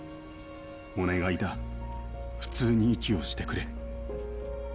お願いだ、普通に息をしてくれ。